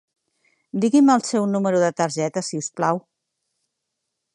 Digui'm el seu número de targeta, si us plau.